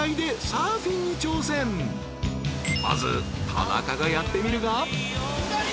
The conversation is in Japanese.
［まず田中がやってみるが］